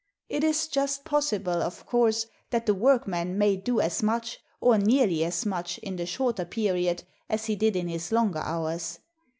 It is just possible, of course, that the workman may do as much, or nearly as much, in the shorter period as he did in his longer hours.